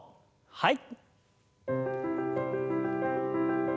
はい。